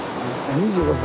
２５歳。